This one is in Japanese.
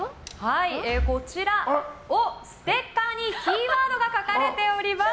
ステッカーにキーワードが書かれています。